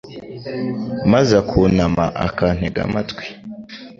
maze akunama akantega amatwi